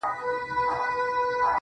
د دغه ټپ د رغېدلو کيسه ختمه نه ده~